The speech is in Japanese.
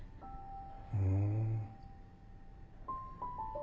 ふん。